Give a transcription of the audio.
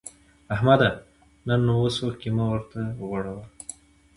احمده! ته نو اوس اوښکی مه ورته غوړوه.